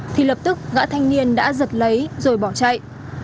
thì lập tức gã thanh niên đã giật lấy rồi bỏ chạy